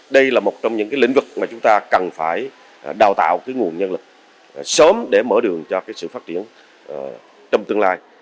đây là một trong những lĩnh vực mà chúng ta cần phải đào tạo nguồn nhân lực sớm để mở đường cho sự phát triển trong tương lai